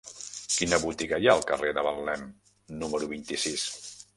Quina botiga hi ha al carrer de Betlem número vint-i-sis?